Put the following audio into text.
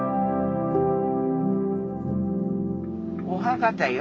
お墓だよ